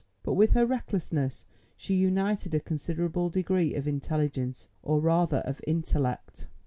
But with her recklessness she united a considerable degree of intelligence, or rather of intellect.